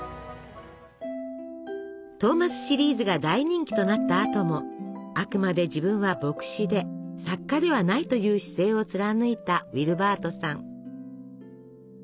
トーマスシリーズが大人気となったあともあくまで自分は牧師で作家ではないという姿勢を貫いたウィルバートさん。